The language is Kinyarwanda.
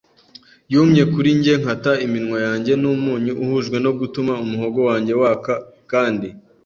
yumye kuri njye, nkata iminwa yanjye n'umunyu, uhujwe no gutuma umuhogo wanjye waka kandi